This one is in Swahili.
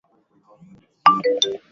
Kila uchao tunasherekea